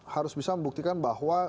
harus bisa membuktikan bahwa